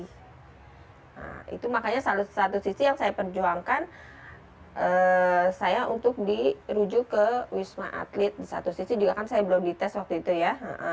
nah itu makanya salah satu sisi yang saya perjuangkan saya untuk dirujuk ke wisma atlet di satu sisi juga kan saya belum dites waktu itu ya